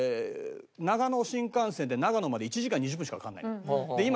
長野新幹線で長野まで１時間２０分しかかからない。